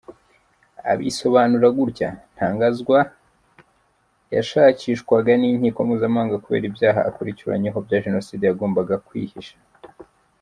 Abisobanura gutya; “Ntaganzwa yashakishwaga n’inkiko mpuzamahanga kubera ibyaha akurikiranyweho bya Jenoside yagombaga kwihisha.